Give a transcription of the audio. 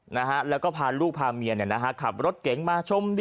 นะฮะแล้วก็พาลูกพาเมียเนี่ยนะฮะขับรถเก๋งมาชม